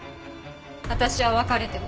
私は別れても。